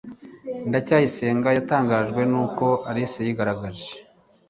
ndacyayisenga yatangajwe nuko alice yigaragaje